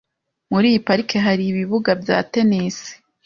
Muri iyi parike hari ibibuga bya tennis.